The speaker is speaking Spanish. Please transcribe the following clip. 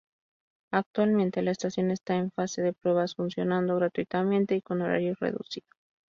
Actualmente la estación esta en fase de pruebas, funcionando gratuitamente y con horario reducido.